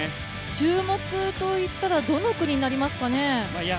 注目といったらどの国になりますかね？